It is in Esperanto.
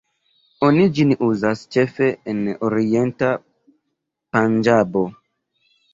Oni ĝin uzas ĉefe en orienta Panĝabo.